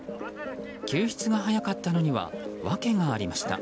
救出が早かったのにはわけがありました。